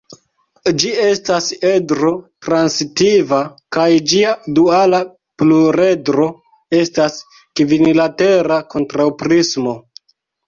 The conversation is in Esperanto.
Ĝi estas edro-transitiva kaj ĝia duala pluredro estas kvinlatera kontraŭprismo.